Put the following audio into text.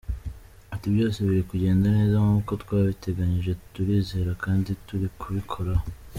Ati "Byose biri kugenda neza nkuko twabiteganyije, turizera kandi turi kubikoraho.